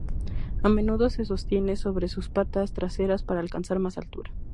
A menudo se sostienen sobre sus patas traseras para alcanzar más altura.